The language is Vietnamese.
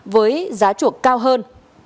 với giá chuộc cao hơn